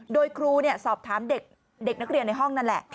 โดยครูสอบถามเด็กนักเรียนในห้องนั่นแหละ